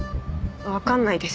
わかんないです。